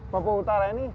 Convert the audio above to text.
papua utara ini